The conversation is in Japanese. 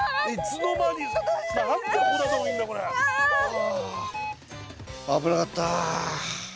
はあ危なかった。